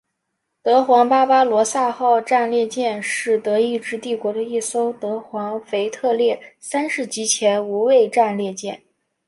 德皇巴巴罗萨号战列舰是德意志帝国的一艘德皇腓特烈三世级前无畏战列舰。